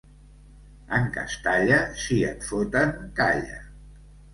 En Castalla, si et foten, calla.